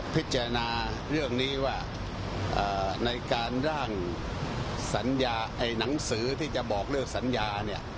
พิจารณาเรื่องนี้ว่าในการร่างสัญญาไอ้หนังสือที่จะบอกเลิกสัญญาเนี่ย